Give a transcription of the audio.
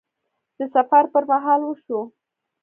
د سفر پر مهال وشو